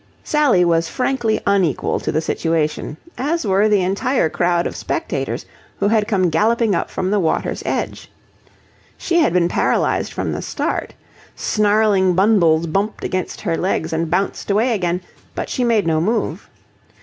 Sally was frankly unequal to the situation, as were the entire crowd of spectators who had come galloping up from the water's edge. She had been paralysed from the start. Snarling bundles bumped against her legs and bounced away again, but she made no move.